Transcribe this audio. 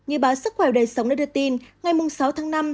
như báo sức khỏe đời sống đã đưa tin ngày sáu tháng năm